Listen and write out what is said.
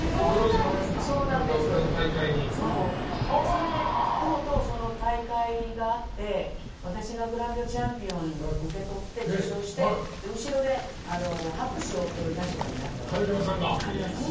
それでとうとうその大会があって私がグランドチャンピオンを受賞して後ろで拍手を送る立場になったわけです、上沼さんが。